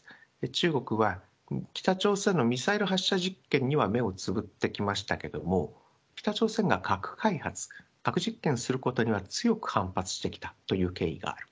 中国は北朝鮮のミサイル発射実験には目をつぶってきましたけれども、北朝鮮が核開発、核実験することには強く反発してきたという経緯がある。